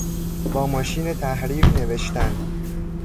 با ماشین تحریر نوشتن